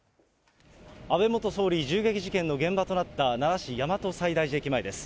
安倍元総理銃撃事件の現場となった、奈良市大和西大寺駅前です。